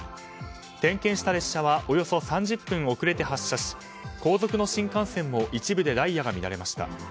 点検した列車はおよそ３０分遅れて発車し後続の新幹線も一部でダイヤが乱れました。